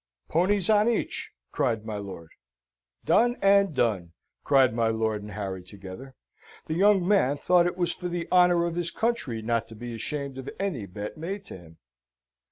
"Ponies on each!" cried my lord. "Done and done!" cried my lord and Harry together. The young man thought it was for the honour of his country not to be ashamed of any bet made to him.